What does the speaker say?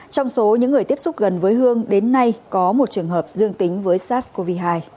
trong số những người tiếp xúc gần với hương đến nay có một trường hợp dương tính với sars cov hai